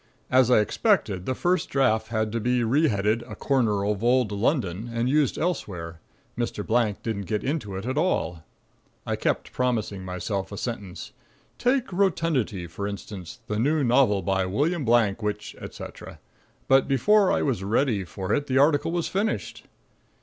As I expected, the first draft had to be re headed "A Corner of old London," and used elsewhere; Mr. Blank didn't get into it at all. I kept promising myself a sentence: "Take 'Rotundity,' for instance, the new novel by William Blank, which, etc." but before I was ready for it the article was finished.